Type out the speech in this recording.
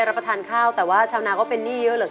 รับประทานข้าวแต่ว่าชาวนาก็เป็นหนี้เยอะเหลือเกิน